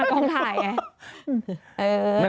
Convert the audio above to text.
มากรงถ่ายไง